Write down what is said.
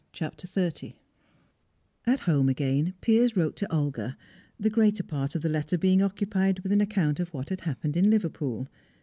CHAPTER XXX At home again, Piers wrote to Olga, the greater part of the letter being occupied with an account of what had happened at Liverpool.